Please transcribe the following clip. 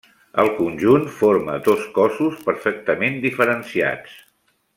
El conjunt forma dos cossos perfectament diferenciats.